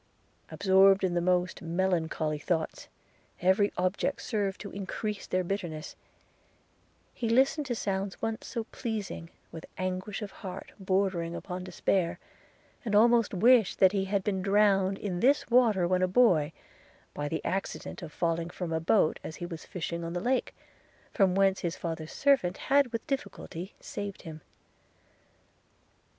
Absorbed in the most melancholy thoughts, every object served to increase their bitterness – He listened to sounds once so pleasing with anguish of heart bordering upon despair, and almost wished that he had been drowned in this water when a boy, by the accident of falling from a boat as he was fishing on the lake, from whence his father's servant had with difficulty saved him.